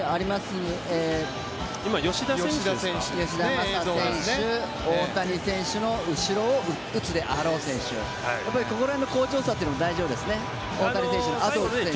今、吉田正尚選手、大谷選手の後ろを打つであろう選手、ここらへんの好調さというのも大事ですよね、大谷選手の後を打つ選手。